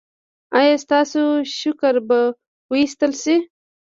ایا ستاسو شکر به وویستل شي؟